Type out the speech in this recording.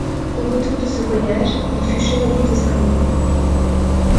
Au retour de ce voyage, il fut chevalier de Saint-Louis.